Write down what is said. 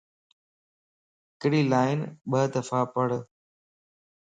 ھڪڙي لائن ٻه دفع پڙھ